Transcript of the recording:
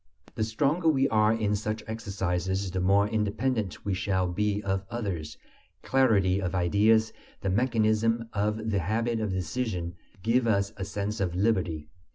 The stronger we are in such exercises, the more independent we shall be of others. Clarity of ideas, the mechanism of the habit of decision, give us a sense of liberty.